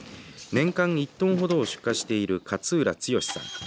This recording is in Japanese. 年間１トンほどを出荷している勝浦剛さん。